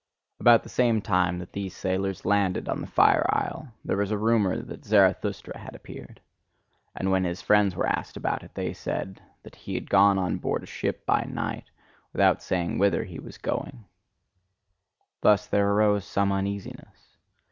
About the same time that these sailors landed on the fire isle, there was a rumour that Zarathustra had disappeared; and when his friends were asked about it, they said that he had gone on board a ship by night, without saying whither he was going. Thus there arose some uneasiness.